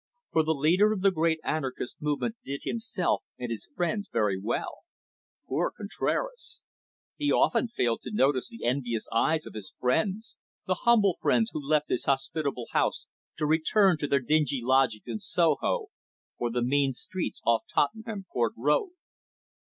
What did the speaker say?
For the leader of the great anarchist movement did himself and his friends very well. Poor Contraras! He often failed to notice the envious eyes of his friends, the humble friends who left his hospitable house to return to their dingy lodgings in Soho, or the mean streets off Tottenham Court Road.